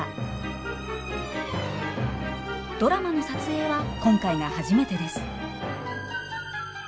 ドラマの撮影は今回が初めてです。